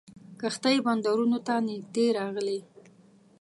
کښتۍ بندرونو ته نیژدې راغلې.